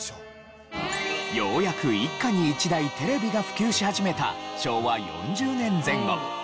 ようやく一家に一台テレビが普及し始めた昭和４０年前後。